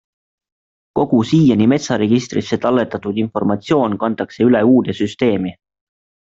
Kogu siiani metsaregistrisse talletatud informatsioon kantakse üle uude süsteemi.